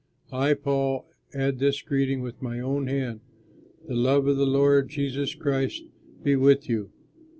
I, Paul, add this greeting with my own hand: "The Love of the Lord Jesus Christ be with you.